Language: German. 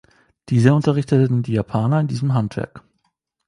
Diese unterrichteten die Japaner in diesem Handwerk.